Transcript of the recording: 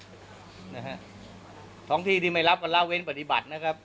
เนื่องจากว่าอยู่ระหว่างการรวมพญาหลักฐานนั่นเองครับ